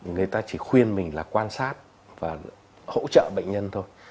người ta chỉ khuyên mình là quan sát và hỗ trợ bệnh nhân thôi